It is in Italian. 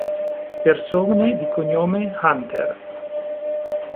Persone di cognome Hunter